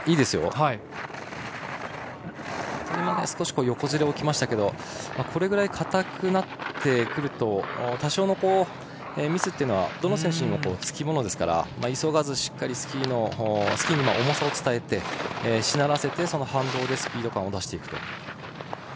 少し横ずれが起きましたけどこれぐらいかたくなってくると多少のミスはどの選手にもつきものですから急がずしっかりスキーに重さを伝えてしならせて、その反動でスピード感を出していくと。